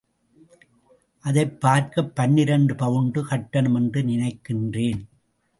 அதைப் பார்க்கப் பன்னிரண்டு பவுண்டு கட்டணம் என்று நினைக்கிறேன்.